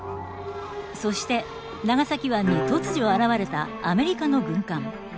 そして長崎湾に突如現れたアメリカの軍艦。